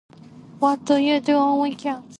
What do you do on weekends?